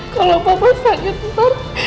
kalau papa sakit ntar